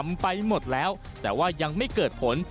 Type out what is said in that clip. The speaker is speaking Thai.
ไปหมดแล้วแต่ว่ายังไม่เกิดผล